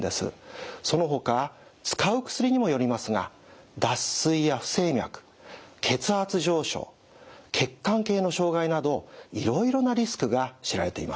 そのほか使う薬にもよりますが脱水や不整脈血圧上昇血管系の障害などいろいろなリスクが知られています。